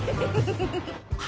あ！